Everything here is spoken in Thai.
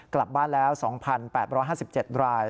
กลับบ้านแล้ว๒๘๕๗ราย